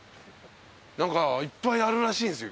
何かいっぱいあるらしいんすよ